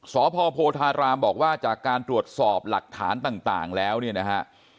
สพโพธารามบอกว่าจากการตรวจสอบหลักฐานต่างแล้วเนี่ยนะฮะ